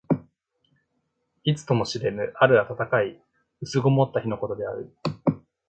いつとも知れぬ、ある暖かい薄曇った日のことである。